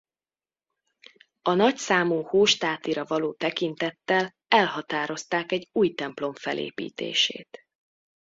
A nagyszámú hóstátira való tekintettel elhatározták egy új templom felépítését.